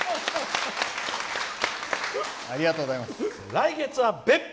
来月は「別府！